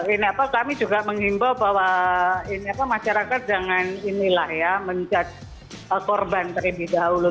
ini apa kami juga menghimbau bahwa masyarakat jangan inilah ya menjudge korban terlebih dahulu